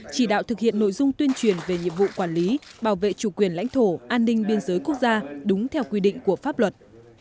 chỉ đạo thực hiện nội dung tuyên truyền về nhiệm vụ quản lý bảo vệ chủ quyền lãnh thổ an ninh biên giới quốc gia đúng theo quy định của pháp luật